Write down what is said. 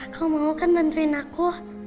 kamu mau kan bantuin aku